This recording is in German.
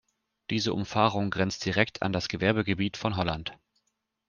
Diese Umfahrung grenzt direkt an das Gewerbegebiet von Holland.